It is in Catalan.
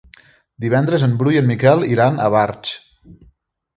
Divendres en Bru i en Miquel iran a Barx.